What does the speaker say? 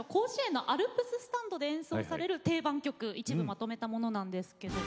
アルプススタンドで演奏される曲一部まとめたものです。